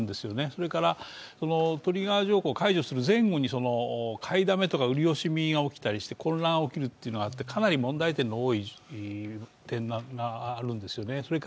それからトリガー条項を解除する前後に、買いだめとか売り惜しみが起きたりして、混乱が起きるというのがあってかなり問題点が多い点があるんですね。